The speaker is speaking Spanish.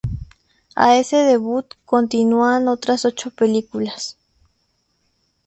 A ese debut continúan otras ocho películas.